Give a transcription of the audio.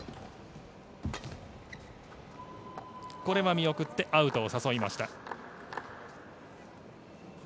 見送って、アウトを誘いました。